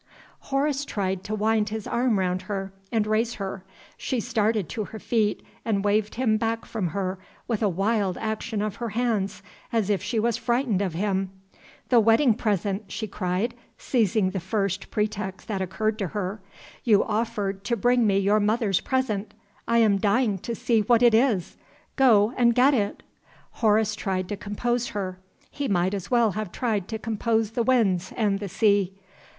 Horace tried to wind his arm round her, and raise her. She started to her feet, and waved him back from her with a wild action of her hands, as if she was frightened of him. "The wedding present!" she cried, seizing the first pretext that occurred to her. "You offered to bring me your mother's present. I am dying to see what it is. Go and get it!" Horace tried to compose her. He might as well have tried to compose the winds and the sea.